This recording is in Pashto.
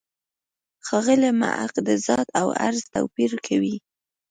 ښاغلی محق د «ذات» او «عرض» توپیر کوي.